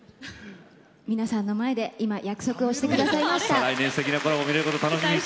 皆さんの前で今、約束をしてくださいました。